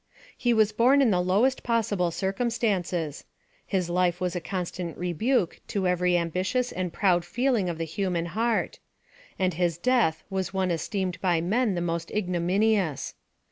— He was born in the lowest pos sible circumstances. His life was a constant rebuke to every ambitious and proud feeling of the human heart; and his death was one esteemed by men the most ignominious.